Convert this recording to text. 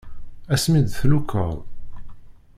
Ass mi d-tlukeḍ.